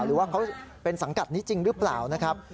หรือว่าเขาเป็นสังกัดนี้จริงหรือเปล่านะครับ